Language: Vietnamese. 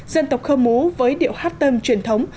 dân tộc khơ mú với điệu hát tâm truyền thống